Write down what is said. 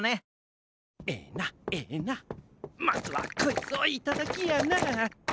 エナエナまずはこいつをいただきやな！